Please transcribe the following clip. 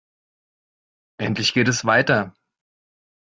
Endlich geht es weiter!